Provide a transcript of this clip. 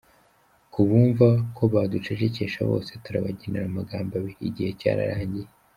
Ku bumva ko baducecekesha bose, turabagenera amagambo abiri: Igihe cyararangiye.